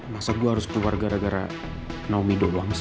masa gue harus keluar gara gara naomi doang